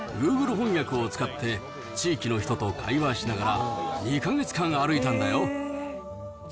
翻訳を使って地域の人と会話しながら、２か月間歩いたんだよ。